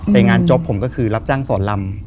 ในงานจบผมก็คือรับจ้างสอนลำ